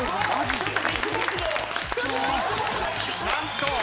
何と。